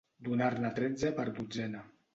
Donar-ne tretze per dotzena.